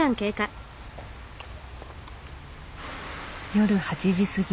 夜８時過ぎ。